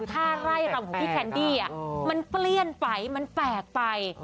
ถ้าไร่รำของพี่แคนดี้มันเปลี่ยนไปมันแปลกไป